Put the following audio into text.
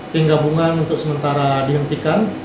tim gabungan untuk sementara dihentikan